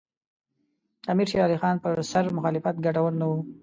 د امیر شېر علي خان پر سر مخالفت ګټور نه وو.